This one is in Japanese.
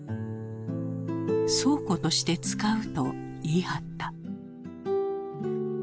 「倉庫として使う」と言い張った。